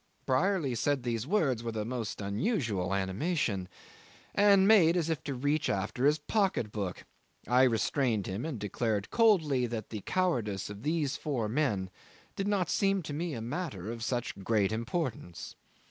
Brierly said these words with a most unusual animation, and made as if to reach after his pocket book. I restrained him, and declared coldly that the cowardice of these four men did not seem to me a matter of such great importance.